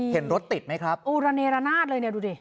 เห็นรถติดไหมครับโอ้ระเนรนาศเลยเนี่ยดูดิ